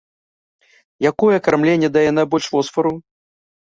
Якое кармленне дае найбольш фосфару?